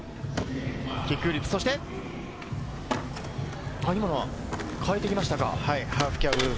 キックフリップ、そして、今の変えてきましたか？